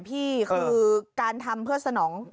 พี่การไปทำเพื่อสนอง